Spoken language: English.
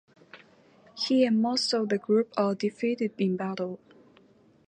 He and most of the group are defeated in battle.